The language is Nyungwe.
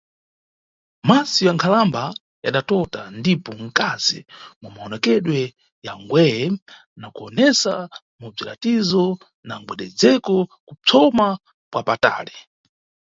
Maso ya nkhalamba yadatota ndipo mkazi mu mawonekedwe ya ngwe, na kuwonesa mu bziratizo na mgwededzeko, kupsoma kwa patali.